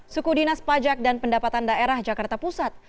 suku dinas pajak dan pendapatan daerah jakarta pusat